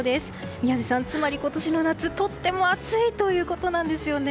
宮司さん、つまり今年の夏はとても暑いということなんです。